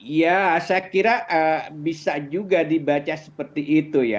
ya saya kira bisa juga dibaca seperti itu ya